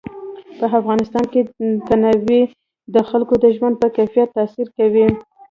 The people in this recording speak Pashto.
په افغانستان کې تنوع د خلکو د ژوند په کیفیت تاثیر کوي.